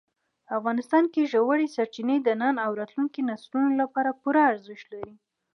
افغانستان کې ژورې سرچینې د نن او راتلونکي نسلونو لپاره پوره ارزښت لري.